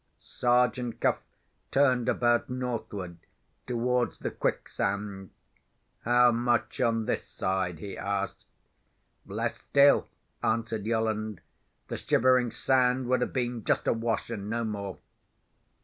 Sergeant Cuff turned about northward, towards the quicksand. "How much on this side?" he asked. "Less still," answered Yolland. "The Shivering Sand would have been just awash, and no more."